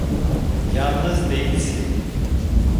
Yalnız değilsin.